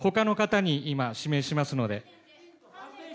ほかの方に今、指名しますので。